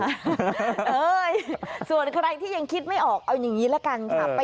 เอ้ยส่วนใครที่ยังคิดไม่ออกเอาอย่างนี้ละกันค่ะ